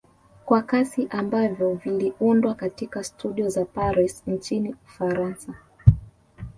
Kwa kasi ambavyo viliundwa katika studio za Paris nchini Ufaransa